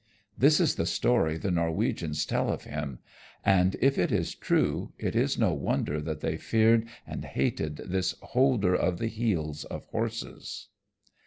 This is the story the Norwegians tell of him, and if it is true it is no wonder that they feared and hated this Holder of the Heels of Horses.